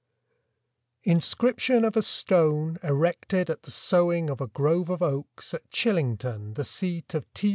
INSCRIPTION FOR A STONE ERECTED AT THE SOWING OF A GROVE OF OAKS AT CHILLINGTON, THE SEAT OF T.